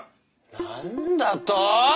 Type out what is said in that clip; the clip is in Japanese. なんだと！？